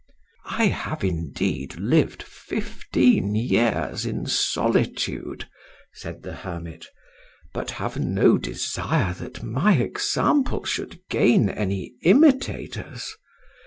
"I have indeed lived fifteen years in solitude," said the hermit, "but have no desire that my example should gain any imitators.